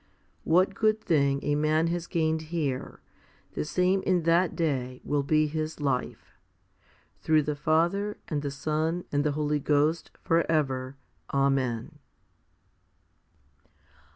What good thing a man has gained here, the same in that day will be his life, through the Father, and the Son, and the Holy Ghost, for ever. Amen.